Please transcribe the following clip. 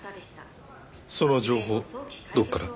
その情報どこから？